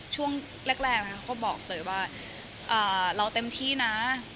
ช่วงแรกนะเขาบอกเตยว่าเราเต็มที่นะ